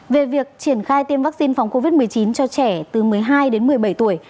về việc triển khai tiêm vaccine phòng covid một mươi chín cho trẻ từ một mươi hai đến một mươi bảy tuổi